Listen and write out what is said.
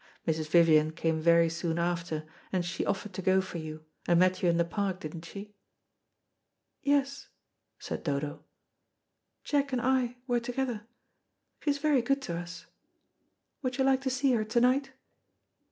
Mrs. Vivian came very soon after, and she offered to go for you, and met you in the Park, didn't she?" "Yes," said Dodo; "Jack and I were together. She is very good to us. Would you like to see her to night?"